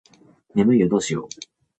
眠いよどうしよう